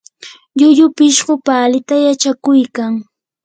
llullu pishqu palita yachakuykan.